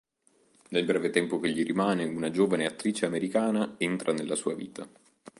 Nel breve tempo che gli rimane una giovane attrice americana entra nella sua vita.